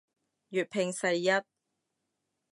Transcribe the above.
粵拼世一